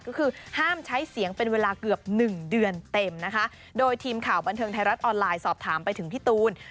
ก็คือห้ามใช้เสียงเป็นเวลาเกือบหนึ่งเดือนเต็มนะคะโดยทีมข่าวบันเทิงไทยรัฐออนไลน์สอบถามไปถึงพี่ตูน